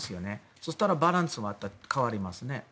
そしたらバランス変わりますね。